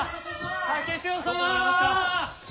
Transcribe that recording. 竹千代様！